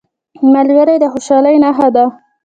ملګری د خوشحالۍ نښه ده